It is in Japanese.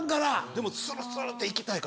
でもスルスルっていきたいから。